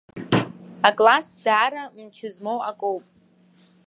Акласс даара мчы змоу акоуп.